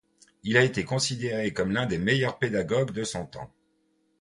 Il a été considéré comme l'un des meilleurs pédagogues de son temps.